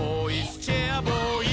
チェアボーイ！」